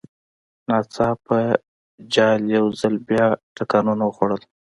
ناڅاپه جال یو ځل بیا ټکانونه وخوړل.